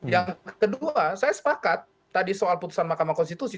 yang kedua saya sepakat tadi soal putusan mahkamah konstitusi